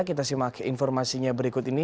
kita simak informasinya berikut ini